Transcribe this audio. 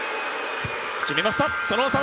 決めました。